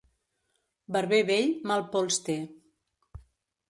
Barber vell, mal pols té.